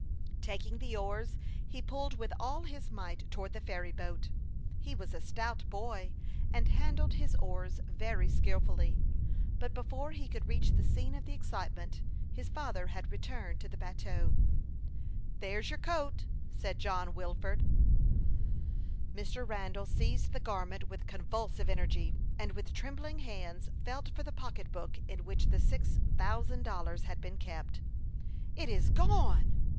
Taking the oars, he pulled with all his might towards the ferry boat. He was a stout boy, and handled his oars very skilfully ; but before he could reach the scene of the excitement, his father had returned to the bateau. "There's. your coat," said John Wilford, after he had climbed into the ferry boat, just as Lawry came alongside. Mr. Randall seized the garment with convulsive energy, and with trembling hands felt for the pock etbook in which the six thousand dollars had been kept. " It is gone